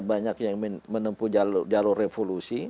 banyak yang menempuh jalur revolusi